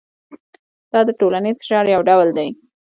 دا د ټولنیز فشار یو ډول دی.